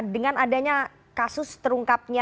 dengan adanya kasus terungkapnya